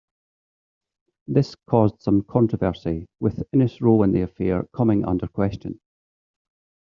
This caused some controversy, with Ines' role in the affair coming under question.